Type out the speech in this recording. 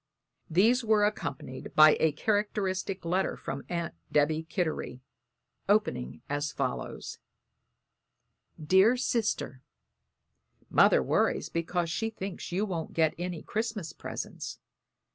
These were accompanied by a characteristic letter from Aunt Debby Kittery, opening as follows: "DEAR SISTER: "Mother worries because she thinks you won't get any Christmas presents.